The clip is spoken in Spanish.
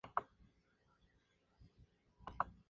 Varias veces se negó a seguir estudios en Moscú.